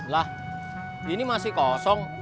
lah ini masih kosong